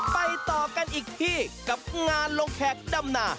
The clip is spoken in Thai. ไปต่อกันอีกที่กับงานลงแขกดำนา